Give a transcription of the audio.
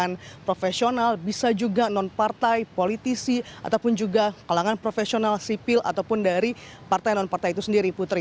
kalangan profesional bisa juga nonpartai politisi ataupun juga kalangan profesional sipil ataupun dari partai nonpartai itu sendiri putri